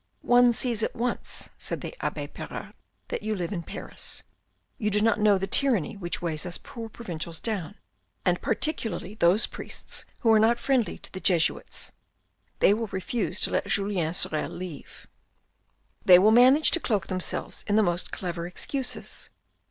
" One sees at once," said the abbe Pirard, " that you live in Paris. You do not know the tyranny which weighs us poor provincials down, and particularly those priests who are not friendly to the Jesuits. They will refuse to let Julien Sorel leave. They will manage to cloak themselves in the most clever excuses.